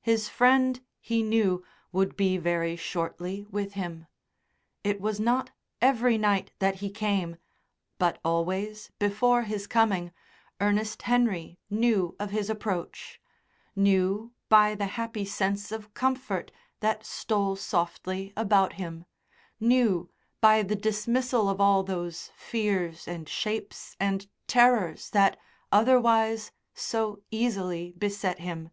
His friend, he knew, would be very shortly with him. It was not every night that he came, but always, before his coming, Ernest Henry knew of his approach knew by the happy sense of comfort that stole softly about him, knew by the dismissal of all those fears and shapes and terrors that, otherwise, so easily beset him.